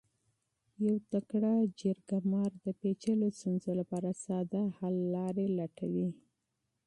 یو تکړه جرګه مار د پیچلو ستونزو لپاره ساده حل لارې لټوي.